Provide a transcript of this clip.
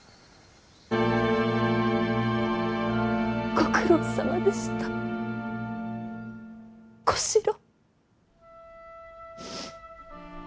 ご苦労さまでした小四郎。